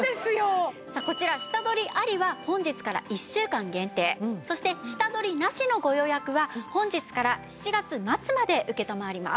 こちら下取りありは本日から１週間限定そして下取りなしのご予約は本日から７月末まで承ります。